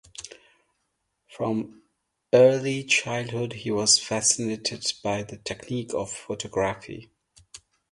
From early childhood, he was fascinated by the technique of photography.